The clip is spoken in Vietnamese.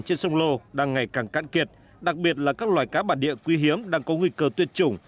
trên sông lô đang ngày càng cạn kiệt đặc biệt là các loài cá bản địa quý hiếm đang có nguy cơ tuyệt chủng